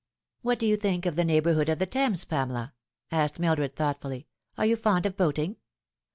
" What do you think of the neighbourhood of the Thames, Pamela ?" asked Mildred thoughtfully. " Are you fond of boating?"